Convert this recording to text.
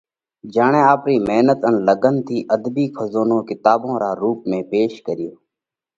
جيڻئہ آپرِي مينت ان لڳنَ ٿِي اڌبِي کزونو ڪِتاٻ را رُوپ ۾ پيش ڪريوه۔